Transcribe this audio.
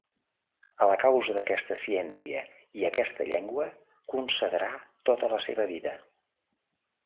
A la causa d'aquesta ciència i aquesta llengua consagrà tota la seva vida.